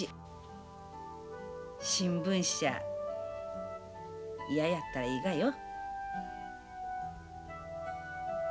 新聞社嫌やったらいいがよ。